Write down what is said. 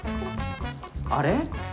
あれ？